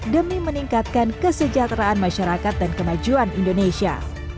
demi meningkatkan kesejahteraan masyarakat dan kemajuan indonesia